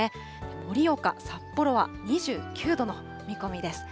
盛岡、札幌は２９度の見込みです。